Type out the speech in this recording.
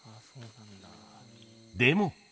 でも。